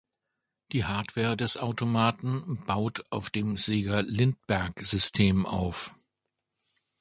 Die Hardware des Automaten baut auf dem Sega-Lindbergh-System auf.